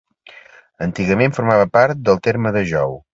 Antigament formava part del terme de Jou.